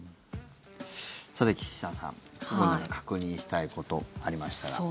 さて、岸田さん確認したいことありましたら。